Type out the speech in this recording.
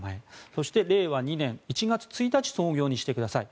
そして、令和２年１月１日創業にしてください